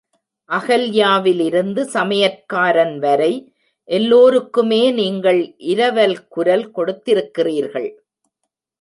அகல்யாவிலிருந்து சமையற்காரன் வரை எல்லோருக்குமே நீங்கள் இரவல் குரல் கொடுத்திருக்கிறீர்கள்!